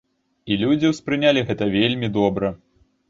І людзі ўспрынялі гэта вельмі добра.